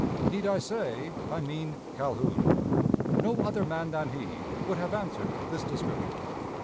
Need I say I mean Calhoun? No other man than he would have answered this description.